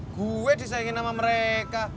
gua disaingin sama mereka